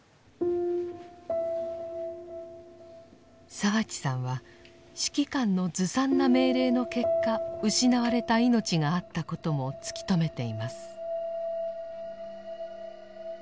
澤地さんは指揮官のずさんな命令の結果失われた命があったことも突き止めています。